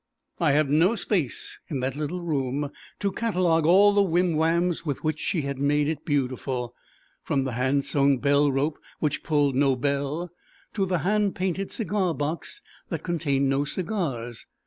I have no space (in that little room) to catalogue all the whim whams with which she had made it beautiful, from the hand sewn bell rope which pulled no bell to the hand painted cigar box that contained no cigars.